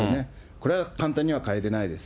これは簡単には変えれないです。